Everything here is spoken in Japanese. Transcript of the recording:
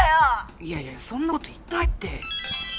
いやいやいやそんなこと言ってないって！